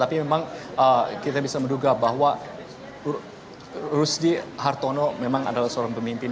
tapi memang kita bisa menduga bahwa rusdi hartono memang adalah seorang pemimpin